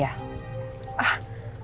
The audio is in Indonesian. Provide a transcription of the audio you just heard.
dan pak surya